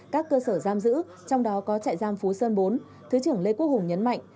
các cơ sở giam giữ trong đó có trại giam phú sơn bốn thứ trưởng lê quốc hùng nhấn mạnh